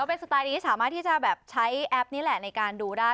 เป็นสไตล์นี้สามารถที่จะแบบใช้แอปนี่แหละในการดูได้